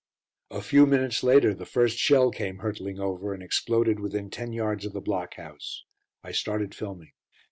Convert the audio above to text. A few minutes later the first shell came hurtling over and exploded within ten yards of the block house. I started filming.